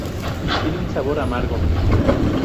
Tiene un sabor amargo.